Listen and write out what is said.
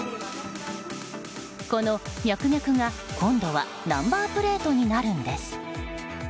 このミャクミャクが今度はナンバープレートになるんです。